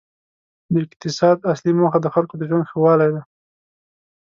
د اقتصاد اصلي موخه د خلکو د ژوند ښه والی دی.